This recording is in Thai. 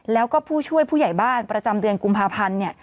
แล้วก็ผู้ช่วยผู้ใหญ่บ้านประจำเดือนกุมภาพันธ์เนี่ย